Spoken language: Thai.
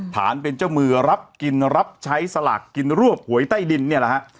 ฐานเป็นเจ้ามือรับกินรับใช้สลากกินรวบหวยใต้ดินเนี่ยแหละฮะ